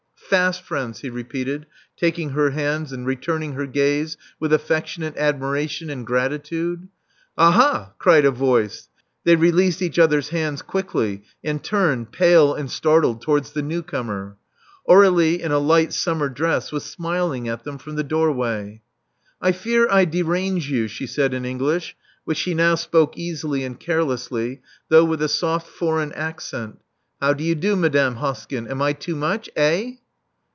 Fast friends, he repeated, taking her hands, and returning her gaze with aflEectionate admiration and gratitude. AhaI" cried a voice. They released each other's hands quickly, and turned, pale and startled, towards the new comer. Aur^lie, in a light summer dress, was smiling at them from the doorway. I fear I derange you, she said in English, which she now spoke easily and carelessly, though with a soft foreign accent. How do you do, Madame Iloskyn? Am I too much? Eh?